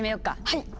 はい！